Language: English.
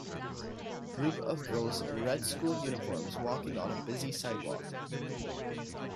Group of girls in red school uniforms walking on a busy sidewalk.